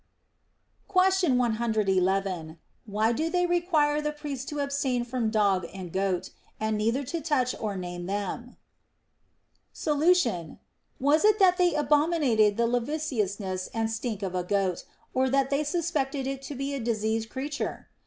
Question 111. Why do they require the priest to ab stain from a dog and a goat, and neither to touch or name them 1 Solution. Was it that they abominated the lascivious 2ί)2 THE JIOMAN QUESTIONS. ness and stink of a goat, or that they suspected it to be a diseased creature